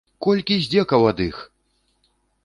Колькі здзекаў ад іх?!